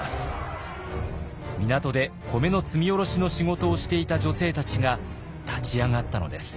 港で米の積み降ろしの仕事をしていた女性たちが立ち上がったのです。